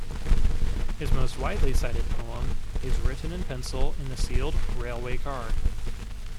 His most widely cited poem is "Written in Pencil in the Sealed Railway Car".